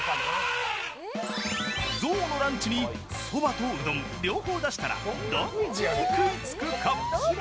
ゾウのランチにそばとうどん、両方出したら、どっちに食いつくか。